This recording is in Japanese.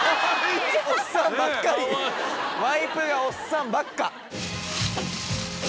ワイプがおっさんばっか！